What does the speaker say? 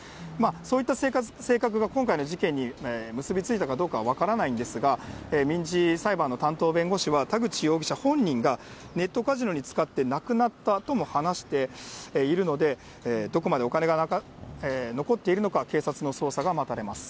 そういった性格が今回の事件に結び付いたかどうかは分からないんですが、民事裁判の担当弁護士は、田口容疑者本人がネットカジノに使って、なくなったとも話しているので、どこまでお金が残っているのか、警察の捜査が待たれます。